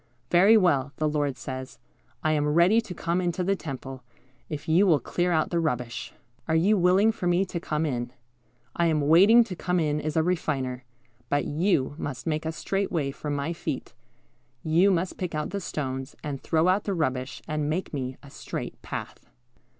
"Very well," the Lord says, "I am ready to come into the temple, if you will clear out the rubbish. Are you willing for Me to come in? I am waiting to come in as a Refiner; but you must make a straight way for my feet. You must pick out the stones, and throw out the rubbish, and make Me a straight path."